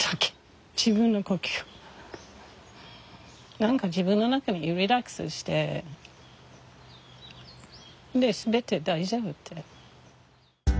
何か自分の中にリラックスしてで全て大丈夫って。